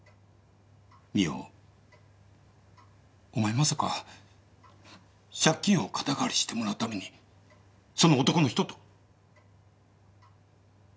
まさか借金を肩代わりしてもらうためにその男の人と？